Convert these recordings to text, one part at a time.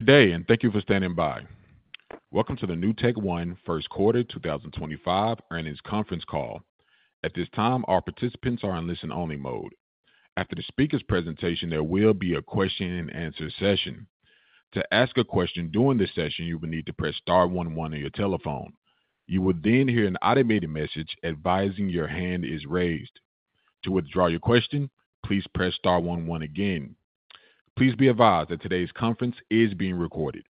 Today, and thank you for standing by. Welcome to the NewtekOne First Quarter 2025 earnings conference call. At this time, our participants are in listen-only mode. After the speaker's presentation, there will be a question-and-answer session. To ask a question during this session, you will need to press star one one on your telephone. You will then hear an automated message advising your hand is raised. To withdraw your question, please press star one one again. Please be advised that today's conference is being recorded.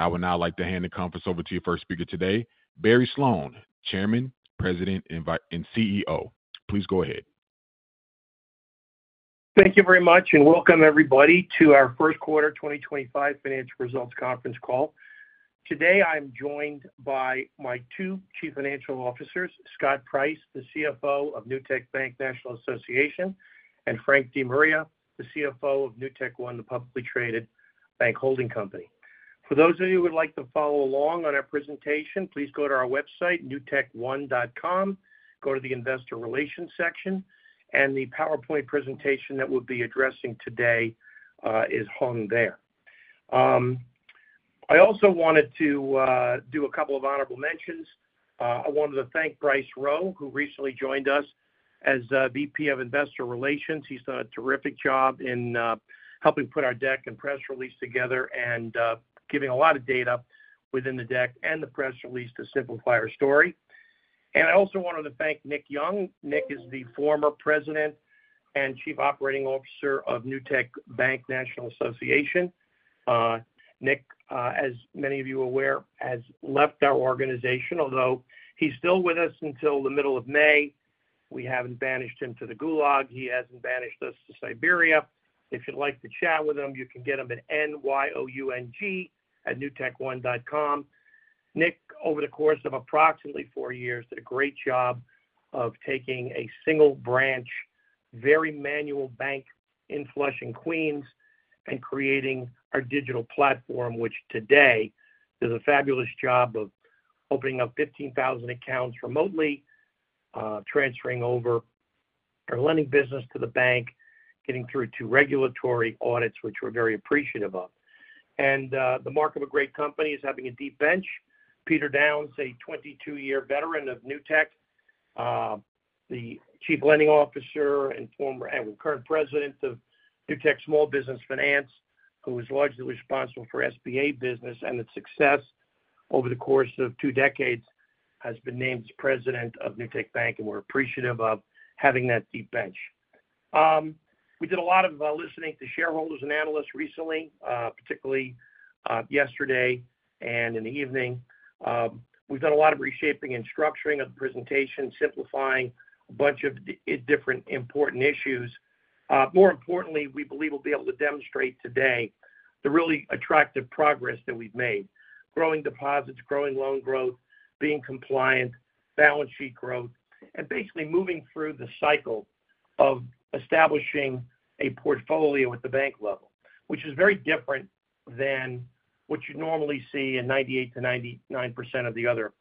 I would now like to hand the conference over to your first speaker today, Barry Sloane, Chairman, President, and CEO. Please go ahead. Thank you very much and welcome everybody to our First Quarter 2025 Financial Results Conference Call. Today, I am joined by my two Chief Financial Officers, Scott Price, the CFO of Newtek Bank, National Association, and Frank DeMaria, the CFO of NewtekOne, the publicly traded bank holding company. For those of you who would like to follow along on our presentation, please go to our website, newtekone.com, go to the investor relations section, and the PowerPoint presentation that we'll be addressing today is hung there. I also wanted to do a couple of honorable mentions. I wanted to thank Bryce Rowe, who recently joined us as VP of Investor Relations. He's done a terrific job in helping put our deck and press release together and giving a lot of data within the deck and the press release to simplify our story. I also wanted to thank Nick Young. Nick is the former President and Chief Operating Officer of Newtek Bank, National Association. Nick, as many of you are aware, has left our organization, although he's still with us until the middle of May. We haven't banished him to the Gulag. He hasn't banished us to Siberia. If you'd like to chat with him, you can get him at nyoung@newtekone.com. Nick, over the course of approximately four years, did a great job of taking a single branch, very manual bank in Flushing, Queens, and creating our digital platform, which today does a fabulous job of opening up 15,000 accounts remotely, transferring over our lending business to the bank, getting through two regulatory audits, which we're very appreciative of. The mark of a great company is having a deep bench. Peter Downs, a 22-year veteran of Newtek, the Chief Lending Officer and current President of Newtek Small Business Finance, who is largely responsible for SBA business and its success over the course of two decades, has been named as President of Newtek Bank and we're appreciative of having that deep bench. We did a lot of listening to shareholders and analysts recently, particularly yesterday and in the evening. We've done a lot of reshaping and structuring of the presentation, simplifying a bunch of different important issues. More importantly, we believe we'll be able to demonstrate today the really attractive progress that we've made: growing deposits, growing loan growth, being compliant, balance sheet growth, and basically moving through the cycle of establishing a portfolio at the bank level, which is very different than what you normally see in 98%-99% of the other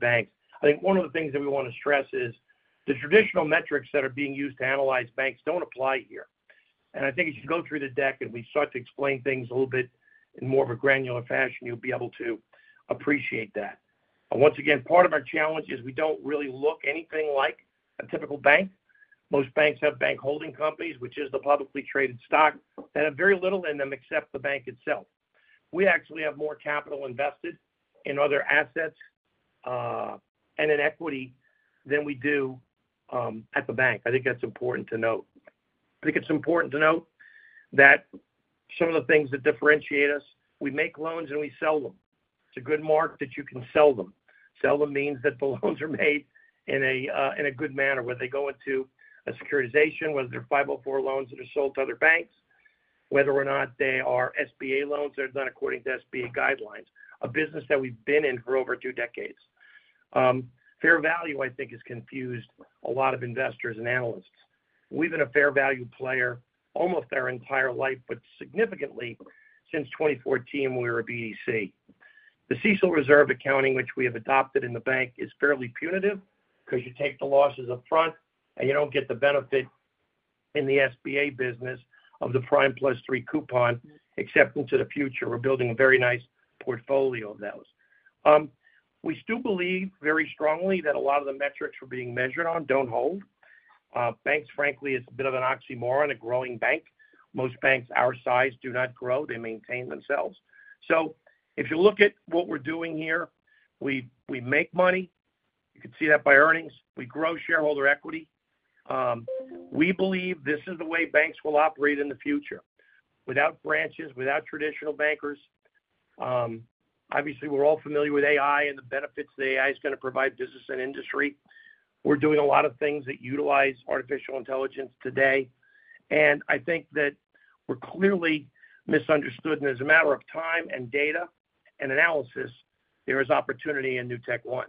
banks. I think one of the things that we want to stress is the traditional metrics that are being used to analyze banks do not apply here. I think as you go through the deck and we start to explain things a little bit in more of a granular fashion, you will be able to appreciate that. Once again, part of our challenge is we do not really look anything like a typical bank. Most banks have bank holding companies, which is the publicly traded stock, and have very little in them except the bank itself. We actually have more capital invested in other assets and in equity than we do at the bank. I think that is important to note. I think it is important to note that some of the things that differentiate us, we make loans and we sell them. It is a good mark that you can sell them. Sell them means that the loans are made in a good manner, whether they go into a securitization, whether they're 504 loans that are sold to other banks, whether or not they are SBA loans that are done according to SBA guidelines, a business that we've been in for over two decades. Fair value, I think, has confused a lot of investors and analysts. We've been a fair value player almost our entire life, but significantly since 2014, we were a BDC. The CECL reserve accounting, which we have adopted in the bank, is fairly punitive because you take the losses upfront and you don't get the benefit in the SBA business of the prime plus three coupon, except into the future, we're building a very nice portfolio of those. We still believe very strongly that a lot of the metrics we're being measured on don't hold. Banks, frankly, it's a bit of an oxymoron. A growing bank, most banks our size do not grow. They maintain themselves. If you look at what we're doing here, we make money. You can see that by earnings. We grow shareholder equity. We believe this is the way banks will operate in the future. Without branches, without traditional bankers, obviously we're all familiar with AI and the benefits that AI is going to provide business and industry. We're doing a lot of things that utilize artificial intelligence today. I think that we're clearly misunderstood. As a matter of time and data and analysis, there is opportunity in NewtekOne.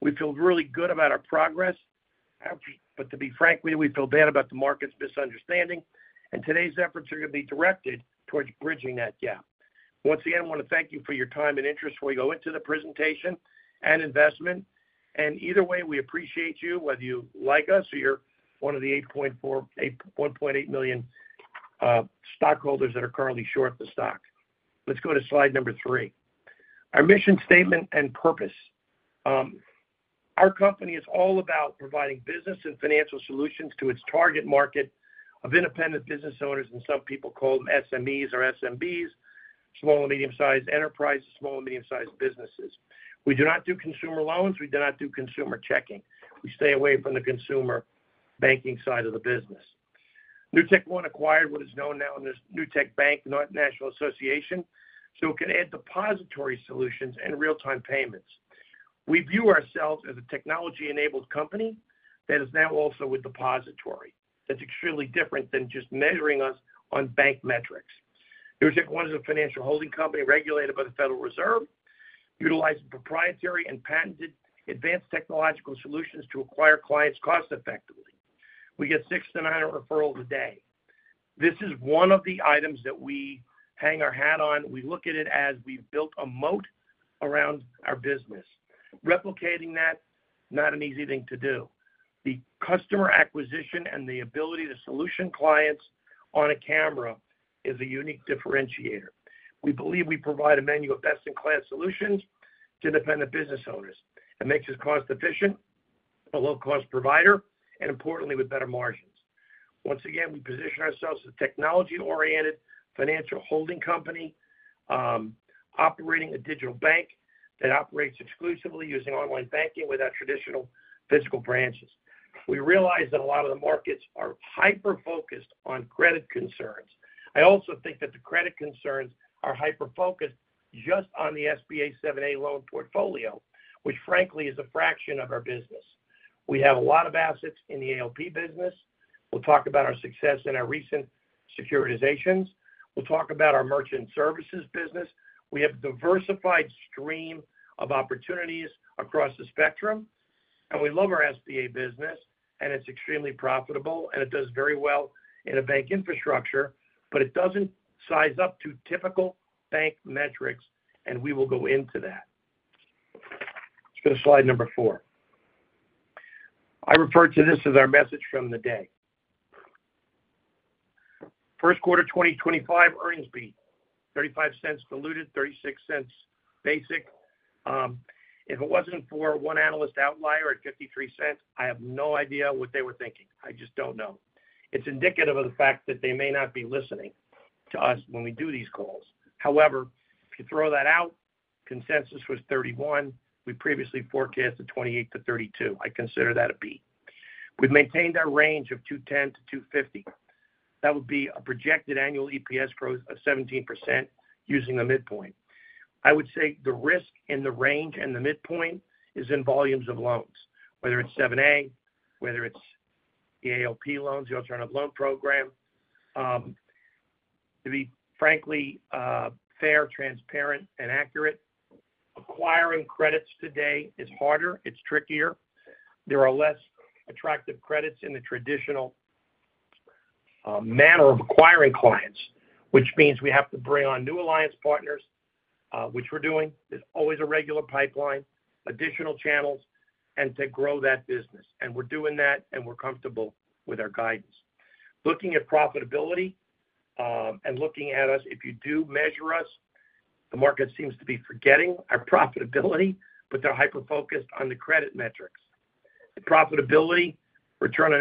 We feel really good about our progress, but to be frank, we feel bad about the market's misunderstanding. Today's efforts are going to be directed towards bridging that gap. Once again, I want to thank you for your time and interest while you go into the presentation and investment. Either way, we appreciate you, whether you like us or you are one of the 8.8 million stockholders that are currently short the stock. Let's go to slide number three. Our mission statement and purpose. Our company is all about providing business and financial solutions to its target market of independent business owners, and some people call them SMEs or SMBs, small and medium-sized enterprises, small and medium-sized businesses. We do not do consumer loans. We do not do consumer checking. We stay away from the consumer banking side of the business. NewtekOne acquired what is known now as Newtek Bank, National Association, so it can add depository solutions and real-time payments. We view ourselves as a technology-enabled company that is now also with depository. That's extremely different than just measuring us on bank metrics. NewtekOne is a financial holding company regulated by the Federal Reserve, utilizing proprietary and patented advanced technological solutions to acquire clients cost-effectively. We get six to nine referrals a day. This is one of the items that we hang our hat on. We look at it as we've built a moat around our business. Replicating that, not an easy thing to do. The customer acquisition and the ability to solution clients on a camera is a unique differentiator. We believe we provide a menu of best-in-class solutions to independent business owners. It makes us cost-efficient, a low-cost provider, and importantly, with better margins. Once again, we position ourselves as a technology-oriented financial holding company operating a digital bank that operates exclusively using online banking without traditional physical branches. We realize that a lot of the markets are hyper-focused on credit concerns. I also think that the credit concerns are hyper-focused just on the SBA 7(a) loan portfolio, which frankly is a fraction of our business. We have a lot of assets in the ALP business. We'll talk about our success in our recent securitizations. We'll talk about our merchant services business. We have a diversified stream of opportunities across the spectrum. We love our SBA business, and it's extremely profitable, and it does very well in a bank infrastructure, but it doesn't size up to typical bank metrics, and we will go into that. Let's go to slide number four. I refer to this as our message from the day. First quarter 2025 earnings beat: $0.35 diluted, $0.36 basic. If it wasn't for one analyst outlier at $0.53, I have no idea what they were thinking. I just don't know. It's indicative of the fact that they may not be listening to us when we do these calls. However, if you throw that out, consensus was $0.31. We previously forecasted $0.28-$0.32. I consider that a beat. We've maintained our range of $2.10-$2.50. That would be a projected annual EPS growth of 17% using the midpoint. I would say the risk in the range and the midpoint is in volumes of loans, whether it's 7(a), whether it's the ALP loans, the Alternative Loan Program. To be frankly fair, transparent, and accurate, acquiring credits today is harder. It's trickier. There are less attractive credits in the traditional manner of acquiring clients, which means we have to bring on new alliance partners, which we're doing. There's always a regular pipeline, additional channels, and to grow that business. We're doing that, and we're comfortable with our guidance. Looking at profitability and looking at us, if you do measure us, the market seems to be forgetting our profitability, but they're hyper-focused on the credit metrics. Profitability, return on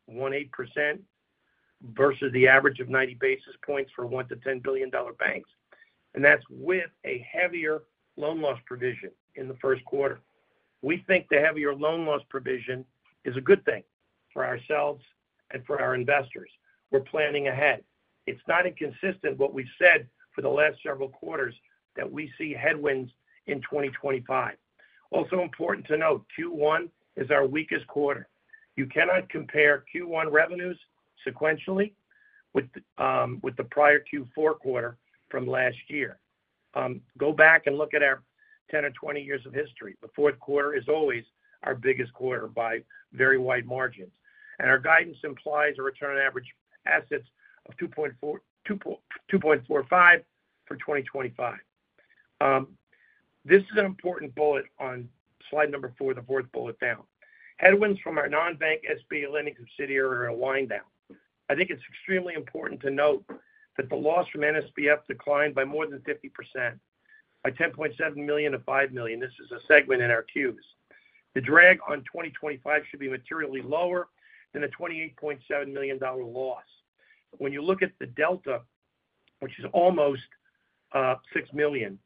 assets in the first quarter, 1.18% versus the average of 90 basis points for $1 billion-$10 billion banks. That's with a heavier loan loss provision in the first quarter. We think the heavier loan loss provision is a good thing for ourselves and for our investors. We're planning ahead. It's not inconsistent with what we've said for the last several quarters that we see headwinds in 2025. Also important to note, Q1 is our weakest quarter. You cannot compare Q1 revenues sequentially with the prior Q4 quarter from last year. Go back and look at our 10 or 20 years of history. The fourth quarter is always our biggest quarter by very wide margins. Our guidance implies a return on average assets of 2.45% for 2025. This is an important bullet on slide number four, the fourth bullet down. Headwinds from our non-bank SBA lending subsidiary are wind down. I think it is extremely important to note that the loss from NSBF declined by more than 50%, by $10.7 million to $5 million. This is a segment in our Qs. The drag on 2025 should be materially lower than a $28.7 million loss. When you look at the delta, which is almost $6 million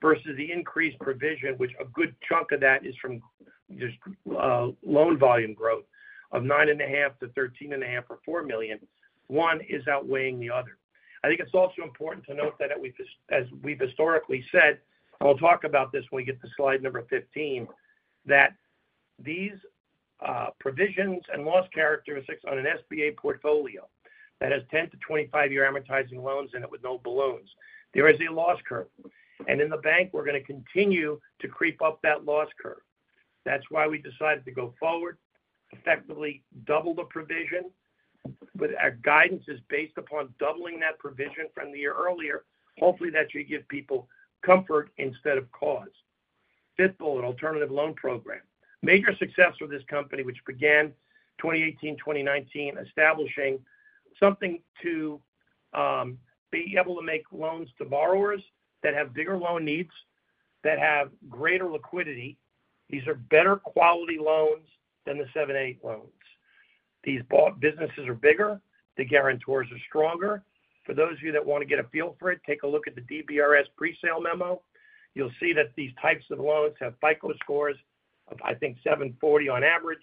versus the increased provision, which a good chunk of that is from loan volume growth of $9.5 million-$13.5 million or $4 million, one is outweighing the other. I think it's also important to note that as we've historically said, and we'll talk about this when we get to slide number 15, that these provisions and loss characteristics on an SBA portfolio that has 10-25 year amortizing loans in it with no balloons, there is a loss curve. In the bank, we're going to continue to creep up that loss curve. That's why we decided to go forward, effectively double the provision. Our guidance is based upon doubling that provision from the year earlier. Hopefully, that should give people comfort instead of cause. Fifth bullet, Alternative Loan Program. Major success for this company, which began 2018-2019, establishing something to be able to make loans to borrowers that have bigger loan needs, that have greater liquidity. These are better quality loans than the 7(a) loans. These businesses are bigger. The guarantors are stronger. For those of you that want to get a feel for it, take a look at the DBRS presale memo. You'll see that these types of loans have FICO scores of, I think, 740 on average.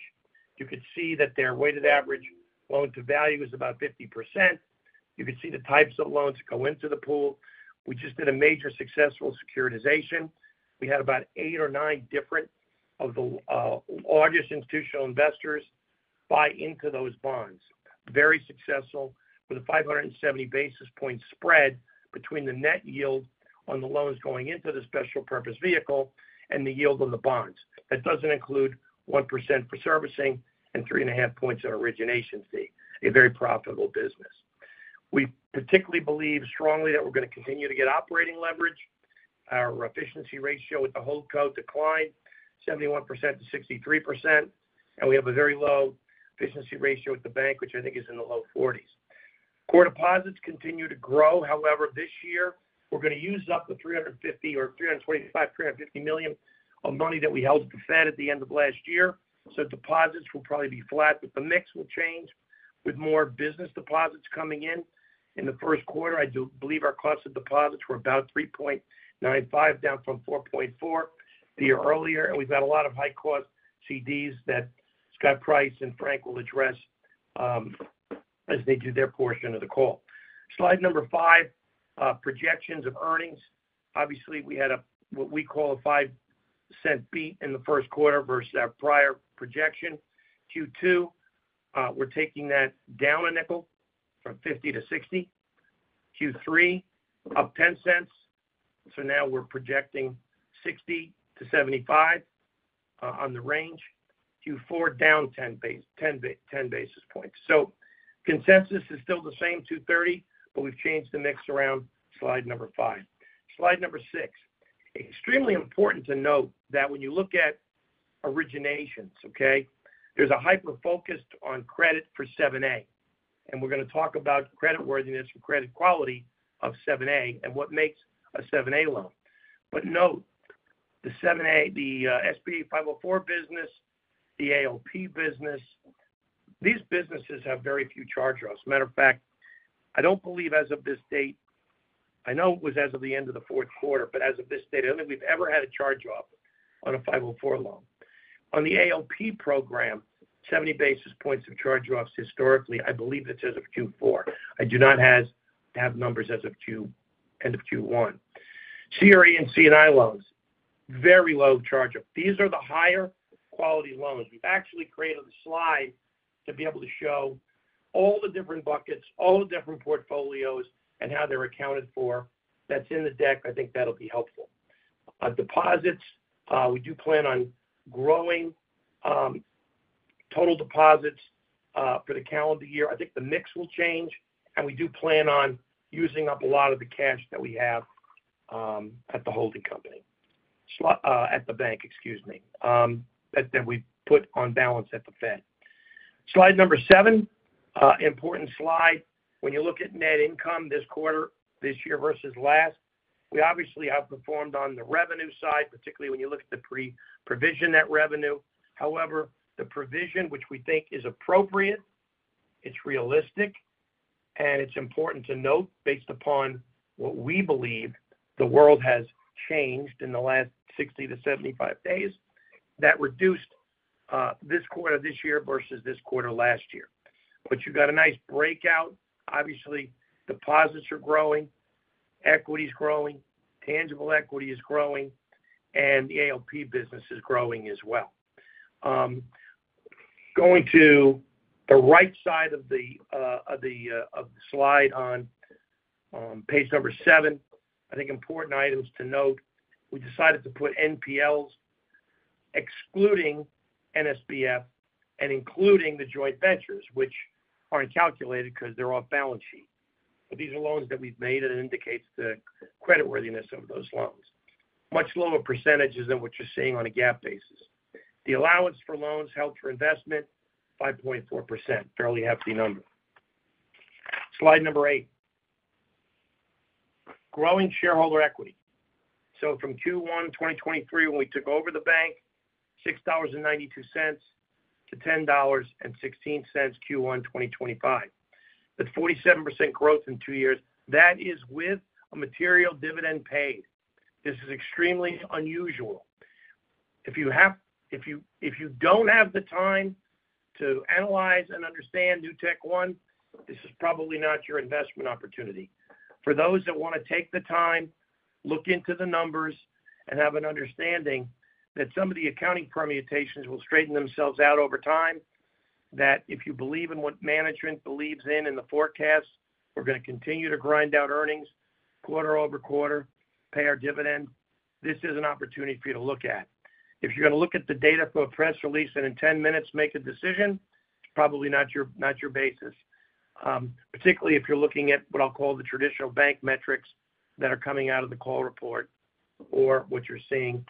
You could see that their weighted average loan to value is about 50%. You could see the types of loans that go into the pool. We just did a major successful securitization. We had about eight or nine different of the largest institutional investors buy into those bonds. Very successful with a 570 basis point spread between the net yield on the loans going into the special purpose vehicle and the yield on the bonds. That doesn't include 1% for servicing and 3.5 points of origination fee. A very profitable business. We particularly believe strongly that we're going to continue to get operating leverage. Our efficiency ratio with the whole code declined, 71% to 63%. We have a very low efficiency ratio at the bank, which I think is in the low 40%. Core deposits continue to grow. However, this year, we're going to use up the $350 million or $325 million-$350 million of money that we held at the Fed at the end of last year. Deposits will probably be flat, but the mix will change with more business deposits coming in. In the first quarter, I do believe our cost of deposits were about 3.95%, down from 4.4% the year earlier. We've got a lot of high-cost CDs that Scott Price and Frank will address as they do their portion of the call. Slide number five, projections of earnings. Obviously, we had a what we call a $0.05 beat in the first quarter versus our prior projection. Q2, we're taking that down a nickel from $0.50 to $0.60. Q3, up $0.10. Now we're projecting $0.60-$0.75 on the range. Q4, down 10 basis points. Consensus is still the same, $2.30, but we've changed the mix around slide number five. Slide number six. Extremely important to note that when you look at originations, there's a hyper-focus on credit for 7(a). We're going to talk about credit worthiness and credit quality of 7(a) and what makes a 7(a) loan. Note, the 7(a), the SBA 504 business, the ALP business, these businesses have very few charge-offs. Matter of fact, I don't believe as of this date, I know it was as of the end of the fourth quarter, but as of this date, I don't think we've ever had a charge-off on a 504 loan. On the ALP program, 70 basis points of charge-offs historically, I believe it's as of Q4. I do not have numbers as of end of Q1. CRE and CNI loans, very low charge-off. These are the higher quality loans. We've actually created a slide to be able to show all the different buckets, all the different portfolios, and how they're accounted for. That's in the deck. I think that'll be helpful. Deposits, we do plan on growing total deposits for the calendar year. I think the mix will change. We do plan on using up a lot of the cash that we have at the holding company at the bank, excuse me, that we put on balance at the Fed. Slide number seven, important slide. When you look at net income this quarter, this year versus last, we obviously outperformed on the revenue side, particularly when you look at the provision net revenue. However, the provision, which we think is appropriate, it's realistic, and it's important to note based upon what we believe the world has changed in the last 60-75 days that reduced this quarter this year versus this quarter last year. You've got a nice breakout. Obviously, deposits are growing, equity is growing, tangible equity is growing, and the ALP business is growing as well. Going to the right side of the slide on page number seven, I think important items to note. We decided to put NPLs excluding NSBF and including the joint ventures, which aren't calculated because they're off balance sheet. These are loans that we've made, and it indicates the credit worthiness of those loans. Much lower percentages than what you're seeing on a GAAP basis. The allowance for loans held for investment, 5.4%, fairly hefty number. Slide number eight, growing shareholder equity. From Q1 2023, when we took over the bank, $6.92 to $10.16 Q1 2025. That's 47% growth in two years. That is with a material dividend paid. This is extremely unusual. If you don't have the time to analyze and understand NewtekOne, this is probably not your investment opportunity. For those that want to take the time, look into the numbers, and have an understanding that some of the accounting permutations will straighten themselves out over time, that if you believe in what management believes in in the forecast, we're going to continue to grind out earnings quarter-over-quarter, pay our dividend, this is an opportunity for you to look at. If you're going to look at the data for a press release and in 10 minutes make a decision, it's probably not your basis, particularly if you're looking at what I'll call the traditional bank metrics that are coming out of the call report or what you're seeing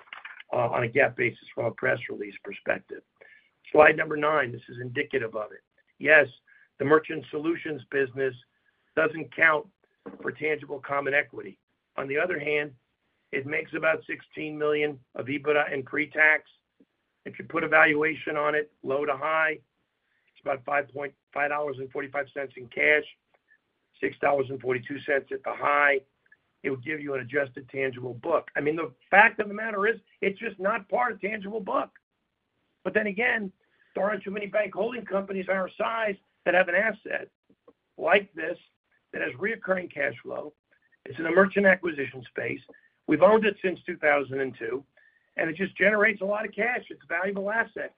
on a GAAP basis from a press release perspective. Slide number nine, this is indicative of it. Yes, the merchant solutions business doesn't count for tangible common equity. On the other hand, it makes about $16 million of EBITDA and pre-tax. If you put a valuation on it, low to high, it's about $5.45 in cash, $6.42 at the high. It would give you an adjusted tangible book. I mean, the fact of the matter is it's just not part of tangible book. Then again, there aren't too many bank holding companies our size that have an asset like this that has recurring cash flow. It's in the merchant acquisition space. We've owned it since 2002, and it just generates a lot of cash. It's a valuable asset.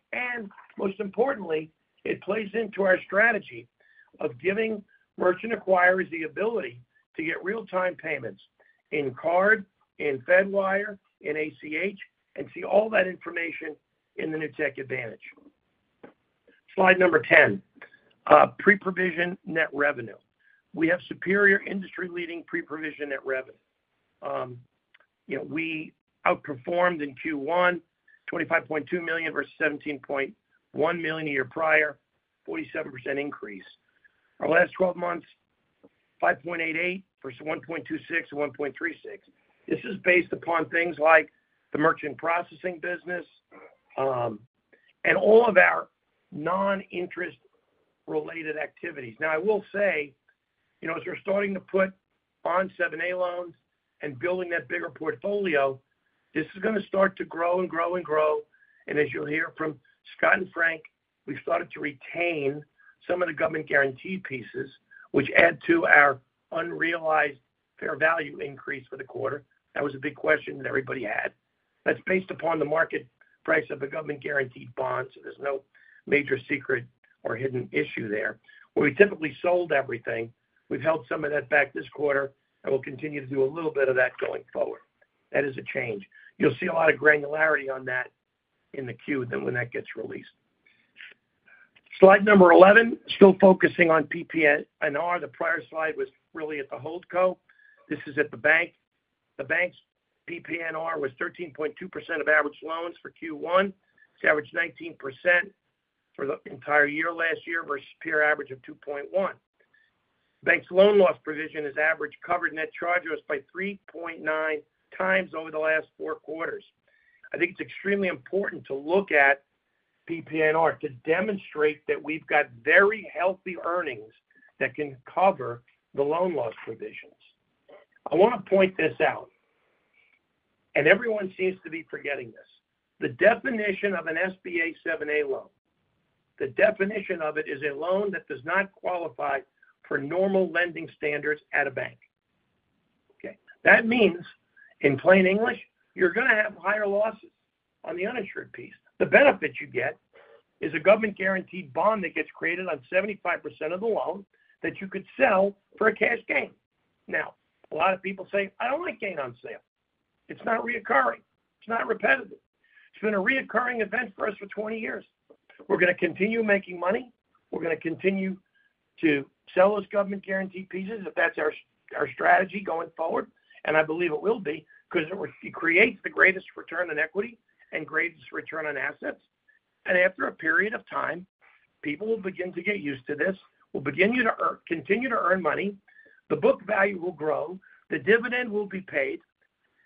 Most importantly, it plays into our strategy of giving merchant acquirers the ability to get real-time payments in card, in Fedwire, in ACH, and see all that information in the Newtek Advantage. Slide number 10, pre-provision net revenue. We have superior industry-leading pre-provision net revenue. We outperformed in Q1, $25.2 million versus $17.1 million a year prior, 47% increase. Our last 12 months, $5.88 million versus $1.26 million and $1.36 million. This is based upon things like the merchant processing business and all of our non-interest-related activities. Now, I will say, as we're starting to put on 7(a) loans and building that bigger portfolio, this is going to start to grow and grow and grow. As you'll hear from Scott and Frank, we've started to retain some of the government guaranteed pieces, which add to our unrealized fair value increase for the quarter. That was a big question that everybody had. That's based upon the market price of the government guaranteed bonds. There's no major secret or hidden issue there. We typically sold everything. We've held some of that back this quarter, and we'll continue to do a little bit of that going forward. That is a change. You'll see a lot of granularity on that in the Q then when that gets released. Slide number 11, still focusing on PPNR. The prior slide was really at the HOLD Co. This is at the bank. The bank's PPNR was 13.2% of average loans for Q1. It's averaged 19% for the entire year last year versus peer average of 2.1%. The bank's loan loss provision has averaged covered net charge by 3.9 times over the last four quarters. I think it's extremely important to look at PPNR to demonstrate that we've got very healthy earnings that can cover the loan loss provisions. I want to point this out, and everyone seems to be forgetting this. The definition of an SBA 7(a) loan, the definition of it is a loan that does not qualify for normal lending standards at a bank. Okay. That means in plain English, you're going to have higher losses on the uninsured piece. The benefit you get is a government guaranteed bond that gets created on 75% of the loan that you could sell for a cash gain. Now, a lot of people say, "I don't like gain on sale. It's not reoccurring. It's not repetitive. It's been a reoccurring event for us for 20 years. We're going to continue making money. We're going to continue to sell those government guaranteed pieces if that's our strategy going forward." I believe it will be because it creates the greatest return on equity and greatest return on assets. After a period of time, people will begin to get used to this. We'll continue to earn money. The book value will grow. The dividend will be paid,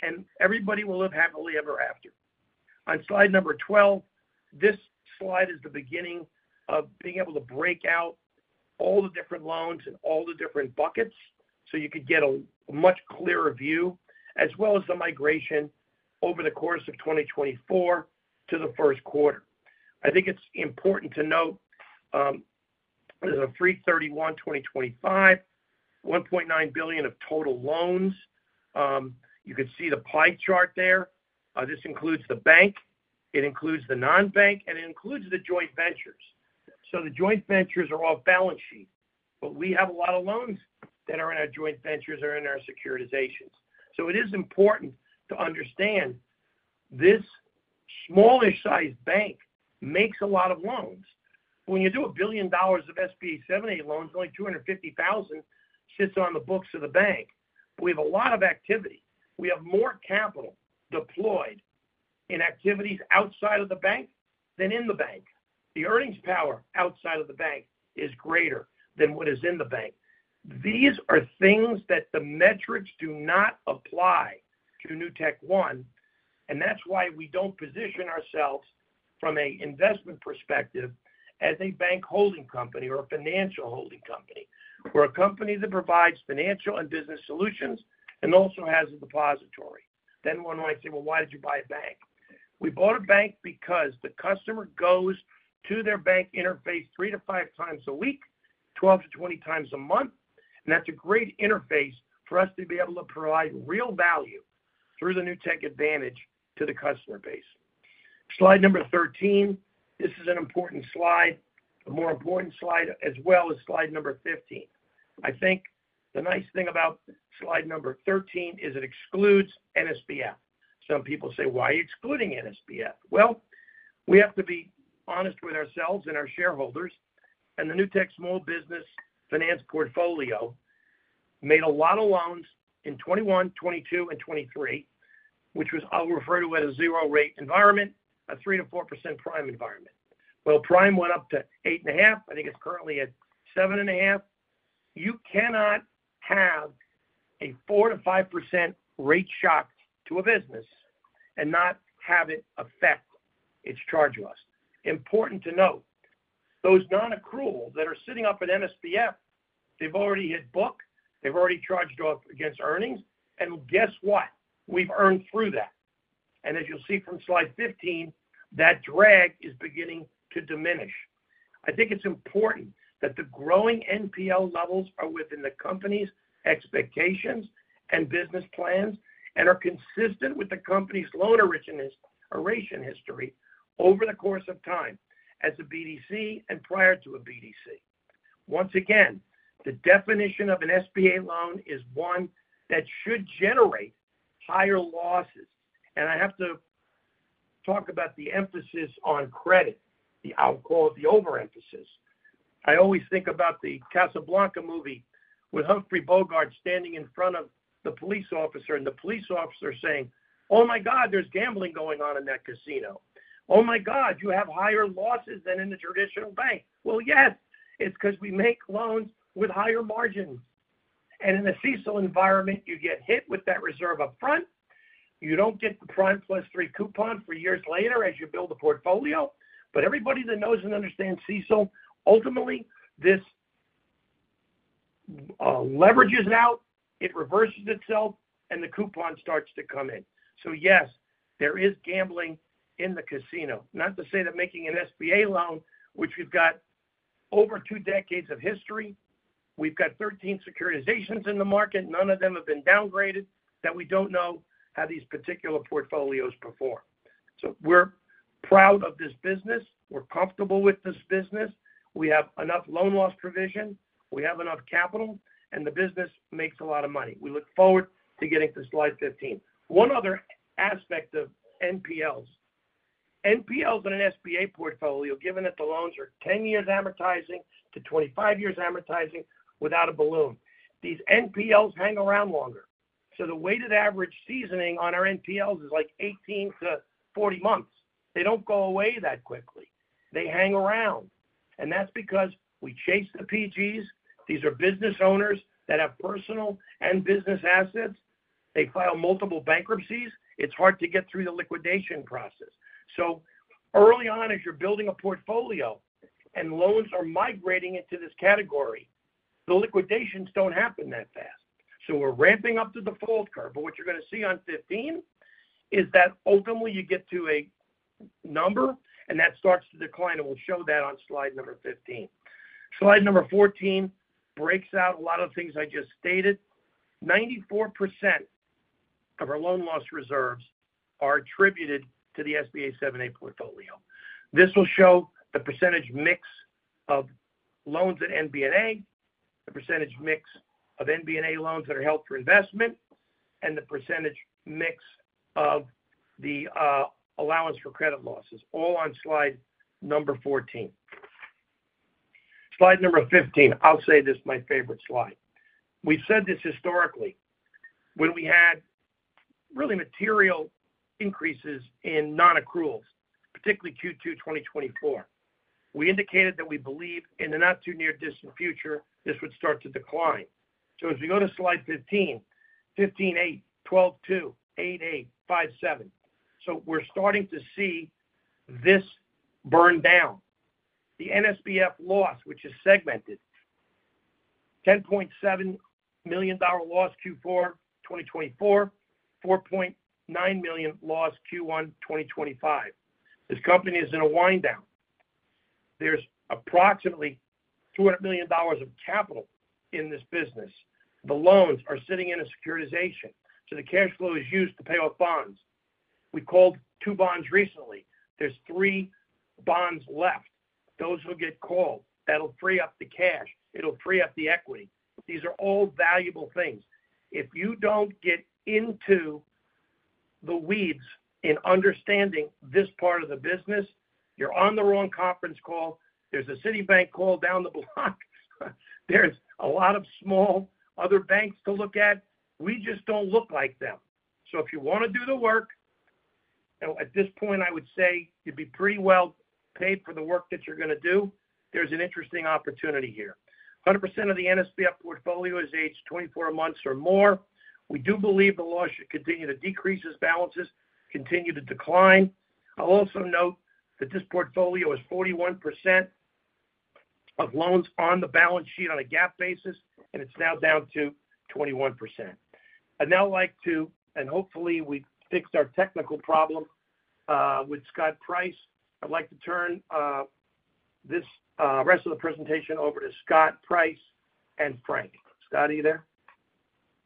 and everybody will live happily ever after. On slide number 12, this slide is the beginning of being able to break out all the different loans and all the different buckets so you could get a much clearer view, as well as the migration over the course of 2024 to the first quarter. I think it's important to note there's a 3/31/2025, $1.9 billion of total loans. You could see the pie chart there. This includes the bank. It includes the non-bank, and it includes the joint ventures. The joint ventures are off balance sheet, but we have a lot of loans that are in our joint ventures or in our securitizations. It is important to understand this smaller-sized bank makes a lot of loans. When you do $1 billion of SBA 7(a) loans, only $250,000 sits on the books of the bank. We have a lot of activity. We have more capital deployed in activities outside of the bank than in the bank. The earnings power outside of the bank is greater than what is in the bank. These are things that the metrics do not apply to NewtekOne, and that is why we do not position ourselves from an investment perspective as a bank holding company or a financial holding company. We are a company that provides financial and business solutions and also has a depository. One might say, "Why did you buy a bank?" We bought a bank because the customer goes to their bank interface three to five times a week, 12-20 times a month. That is a great interface for us to be able to provide real value through the Newtek Advantage to the customer base. Slide number 13, this is an important slide, a more important slide as well as slide number 15. I think the nice thing about slide number 13 is it excludes NSBF. Some people say, "Why are you excluding NSBF?" We have to be honest with ourselves and our shareholders. And the Newtek Small Business Finance portfolio made a lot of loans in 2021, 2022, and 2023, which was, I'll refer to it as a zero-rate environment, a 3%-4% prime environment. Prime went up to 8.5. I think it's currently at 7.5. You cannot have a 4%-5% rate shock to a business and not have it affect its charge loss. Important to note, those non-accrual that are sitting up at NSBF, they've already hit book. They've already charged off against earnings. And guess what? We've earned through that. As you'll see from slide 15, that drag is beginning to diminish. I think it's important that the growing NPL levels are within the company's expectations and business plans and are consistent with the company's loan erasure history over the course of time as a BDC and prior to a BDC. Once again, the definition of an SBA loan is one that should generate higher losses. I have to talk about the emphasis on credit, I'll call it the overemphasis. I always think about the Casablanca movie with Humphrey Bogart standing in front of the police officer and the police officer saying, "Oh my God, there's gambling going on in that casino. Oh my God, you have higher losses than in a traditional bank." Yes, it's because we make loans with higher margins. In a CECL environment, you get hit with that reserve upfront. You do not get the prime plus three coupon for years later as you build a portfolio. Everybody that knows and understands CECL, ultimately, this leverages out, it reverses itself, and the coupon starts to come in. Yes, there is gambling in the casino. Not to say that making an SBA loan, which we have got over two decades of history, we have got 13 securitizations in the market. None of them have been downgraded, that we do not know how these particular portfolios perform. We are proud of this business. We are comfortable with this business. We have enough loan loss provision. We have enough capital, and the business makes a lot of money. We look forward to getting to slide 15. One other aspect of NPLs. NPLs on an SBA portfolio, given that the loans are 10 years amortizing to 25 years amortizing without a balloon, these NPLs hang around longer. The weighted average seasoning on our NPLs is like 18-40 months. They do not go away that quickly. They hang around. That is because we chase the PGs. These are business owners that have personal and business assets. They file multiple bankruptcies. It is hard to get through the liquidation process. Early on, as you are building a portfolio and loans are migrating into this category, the liquidations do not happen that fast. We are ramping up the default curve. What you are going to see on 15 is that ultimately you get to a number, and that starts to decline. We will show that on slide number 15. Slide number 14 breaks out a lot of the things I just stated. 94% of our loan loss reserves are attributed to the SBA 7(a) portfolio. This will show the percentage mix of loans at MBNA, the % mix of MBNA loans that are held for investment, and the percentage mix of the allowance for credit losses, all on slide number 14. Slide number 15, I'll say this is my favorite slide. We've said this historically when we had really material increases in non-accruals, particularly Q2 2024. We indicated that we believe in the not-too-near distant future, this would start to decline. As we go to slide 15, 15A, 12/2, 8A, 57. We're starting to see this burn down. The NSBF loss, which is segmented, $10.7 million loss Q4 2024, $4.9 million loss Q1 2025. This company is in a wind down. There's approximately $200 million of capital in this business. The loans are sitting in a securitization. The cash flow is used to pay off bonds. We called two bonds recently. There's three bonds left. Those will get called. That'll free up the cash. It'll free up the equity. These are all valuable things. If you don't get into the weeds in understanding this part of the business, you're on the wrong conference call. There's a Citibank call down the block. There's a lot of small other banks to look at. We just don't look like them. If you want to do the work, at this point, I would say you'd be pretty well paid for the work that you're going to do. There's an interesting opportunity here. 100% of the NSBF portfolio is aged 24 months or more. We do believe the loss should continue to decrease as balances continue to decline. I'll also note that this portfolio is 41% of loans on the balance sheet on a GAAP basis, and it's now down to 21%. I'd now like to, and hopefully we fixed our technical problem with Scott Price. I'd like to turn this rest of the presentation over to Scott Price and Frank. Scott, are you there?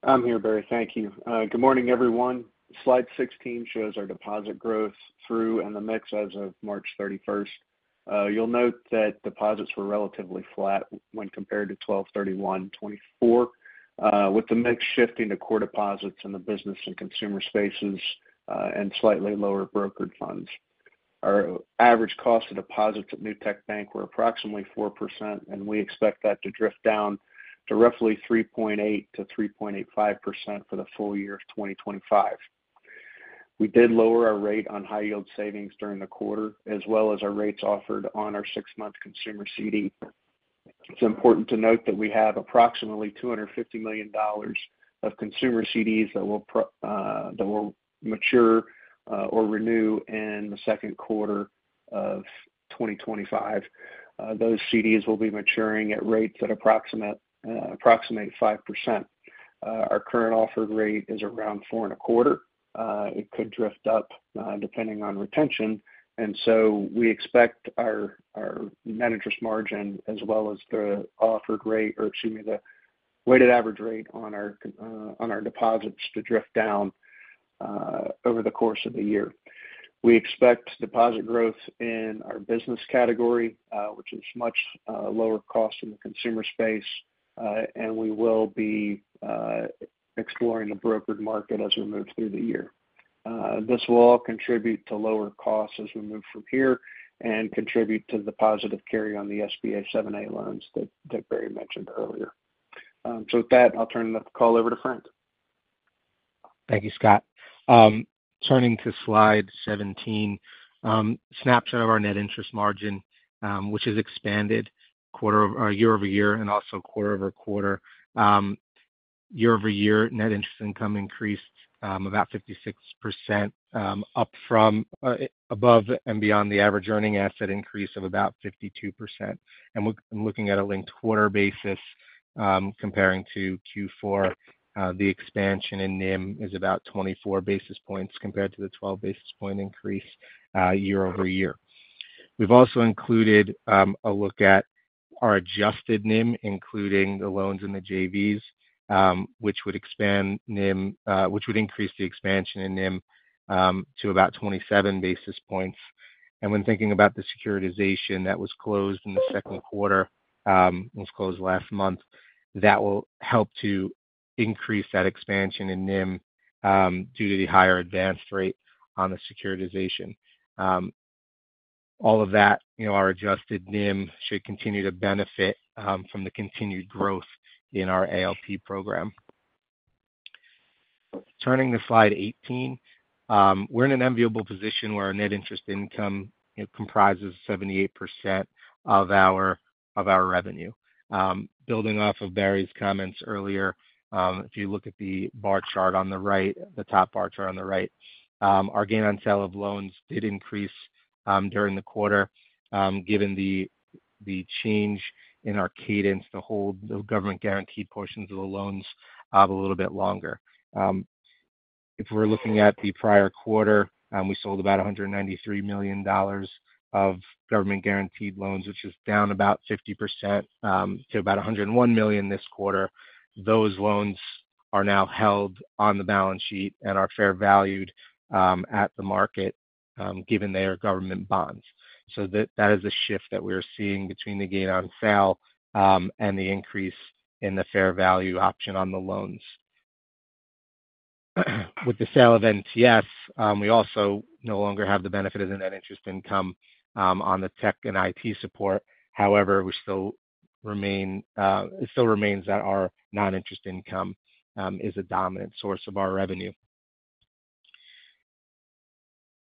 I'm here, Barry. Thank you. Good morning, everyone. Slide 16 shows our deposit growth through and the mix as of March 31st. You'll note that deposits were relatively flat when compared to 12/31/2024, with the mix shifting to core deposits in the business and consumer spaces and slightly lower brokered funds. Our average cost of deposits at Newtek Bank were approximately 4%, and we expect that to drift down to roughly 3.8%-3.85% for the full year of 2025. We did lower our rate on high-yield savings during the quarter, as well as our rates offered on our six-month consumer CD. It's important to note that we have approximately $250 million of consumer CDs that will mature or renew in the second quarter of 2025. Those CDs will be maturing at rates that approximate 5%. Our current offered rate is around 4.25%. It could drift up depending on retention. We expect our net interest margin as well as the offered rate or, excuse me, the weighted average rate on our deposits to drift down over the course of the year. We expect deposit growth in our business category, which is much lower cost in the consumer space, and we will be exploring the brokered market as we move through the year. This will all contribute to lower costs as we move from here and contribute to the positive carry on the SBA 7(a) loans that Barry mentioned earlier. With that, I'll turn the call over to Frank. Thank you, Scott. Turning to slide 17, snapshot of our net interest margin, which has expanded year-over-year and also quarter-over-quarter. Year-over-year, net interest income increased about 56%, up from above and beyond the average earning asset increase of about 52%. Looking at a linked quarter basis comparing to Q4, the expansion in NIM is about 24 basis points compared to the 12 basis point increase year over year. We have also included a look at our adjusted NIM, including the loans and the JVs, which would increase the expansion in NIM to about 27 basis points. When thinking about the securitization that was closed in the second quarter, was closed last month, that will help to increase that expansion in NIM due to the higher advance rate on the securitization. All of that, our adjusted NIM should continue to benefit from the continued growth in our ALP program. Turning to slide 18, we're in an enviable position where our net interest income comprises 78% of our revenue. Building off of Barry's comments earlier, if you look at the bar chart on the right, the top bar chart on the right, our gain on sale of loans did increase during the quarter given the change in our cadence to hold the government-guaranteed portions of the loans a little bit longer. If we're looking at the prior quarter, we sold about $193 million of government-guaranteed loans, which is down about 50% to about $101 million this quarter. Those loans are now held on the balance sheet and are fair valued at the market given they are government bonds. That is a shift that we're seeing between the gain on sale and the increase in the fair value option on the loans. With the sale of NTS, we also no longer have the benefit of the net interest income on the Tech and IT support. However, it still remains that our non-interest income is a dominant source of our revenue.